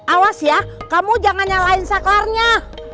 awas ya kamu jangan nyalain saklarnya